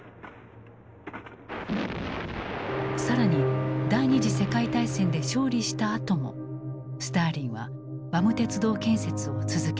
更に第二次世界大戦で勝利したあともスターリンはバム鉄道建設を続けた。